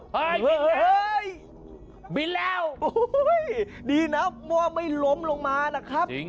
เฮ้ยบินแล้วบินแล้วโอ้โหดีนะมัวไม่ล้มลงมานะครับ